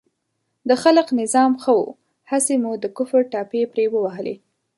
د خلق نظام ښه و، هسې مو د کفر ټاپې پرې ووهلې.